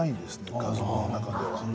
家族の中では。